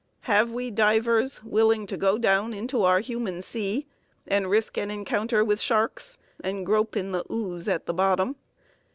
Have we divers willing to go down into our human sea and risk an encounter with sharks and grope in the ooze at the bottom?